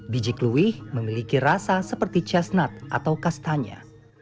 biji kluih memiliki rasa seperti cessnat atau kastanya